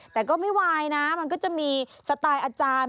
แต่ก็ไม่วายนะมันก็จะมีสไตล์อาจารย์